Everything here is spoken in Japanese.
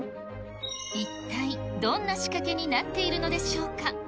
一体、どんな仕掛けになっているのでしょうか。